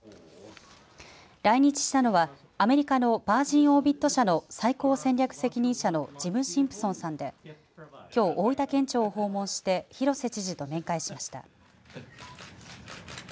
来日したのはアメリカのヴァージン・オービット社の最高戦略責任者のジム・シンプソンさんできょう大分県庁を訪問して広瀬知事と面会しました。